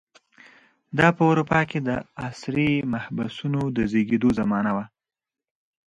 دا په اروپا کې د عصري محبسونو د زېږېدو زمانه وه.